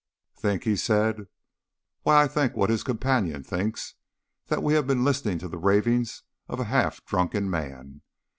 "Think!" he said; "why, I think what his companion thinks, that we have been listening to the ravings of a half drunken man.